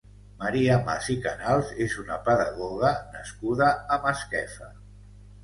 Maria Mas i Canals és una pedagoga nascuda a Masquefa.